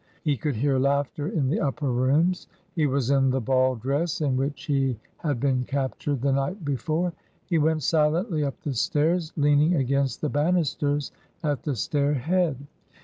He could hear laughter in the uf^r rooms. He was in the ball dress in which he had been captured the night before. He went silently up the stairs, lean ing against the banisters at the stair head.